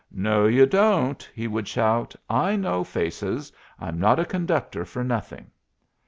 "No, you don't!" he would shout. "I know faces. I'm not a conductor for nothing."